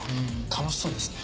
楽しそうですね。